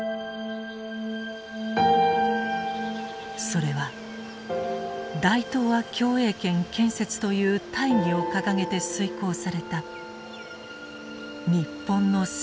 それは大東亜共栄圏建設という大義を掲げて遂行された日本の戦争の末路だった。